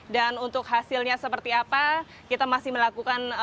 dan untuk hasilnya seperti apa kita masih melakukan penelusuran